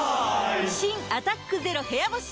新「アタックＺＥＲＯ部屋干し」